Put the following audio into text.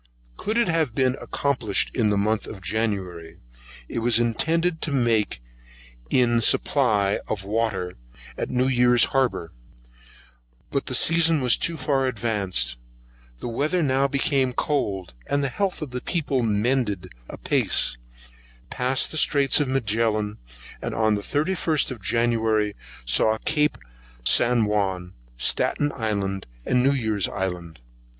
Could it have been accomplished in the month of January, it was intended to take in a supply of water at New Year's harbour, but the season was too far advanced. The weather now became cold, and the health of the people mended apace: passed by the straits of Magellan, and on the 31st of January saw Cape St. Juan, Staten Island, and New Year's Island.